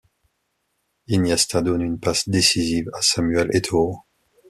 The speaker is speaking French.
Iniesta donne une passe décisive à Samuel Eto'o.